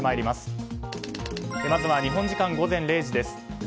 まずは日本時間午前０時です。